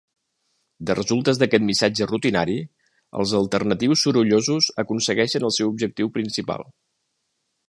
De resultes d'aquest missatge rutinari, els alternatius sorollosos aconsegueixen el seu objectiu principal.